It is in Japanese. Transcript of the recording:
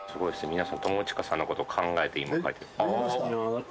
皆さん友近さんのことを考えて今書いてる。